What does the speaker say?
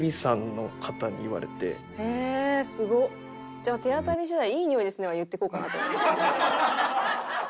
じゃあ手当たり次第「いいにおいですね」は言っていこうかなと。